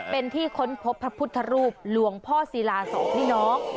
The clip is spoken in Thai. เป็นที่ค้นพบพระพุทธรูปหลวงพ่อศิลาสองพี่น้อง